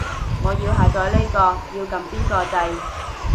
我要下載呢個，要撳邊個掣